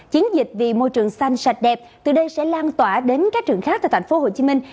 chiến dịch vì môi trường xanh sạch đẹp từ đây sẽ lan tỏa đến các trường khác tại thành phố hồ chí minh